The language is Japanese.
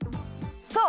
そう！